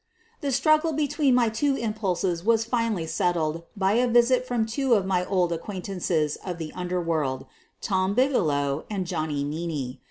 The struggle between my two impulses was finally settled by a visit from two of my old acquaintances of the underworld — Tom Bigelow and Johnny Meaney.